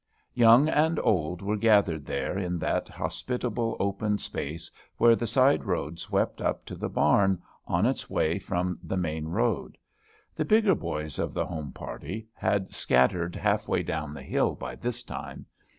Young and old were gathered there in that hospitable open space where the side road swept up to the barn on its way from the main road. The bigger boys of the home party had scattered half way down the hill by this time.